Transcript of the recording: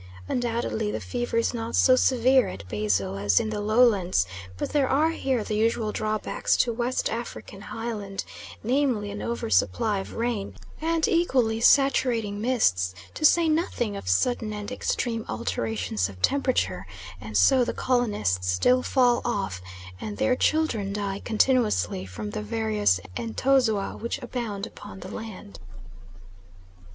Undoubtedly the fever is not so severe at Basile as in the lowlands, but there are here the usual drawbacks to West African high land, namely an over supply of rain, and equally saturating mists, to say nothing of sudden and extreme alternations of temperature, and so the colonists still fall off, and their children die continuously from the various entozoa which abound upon the island.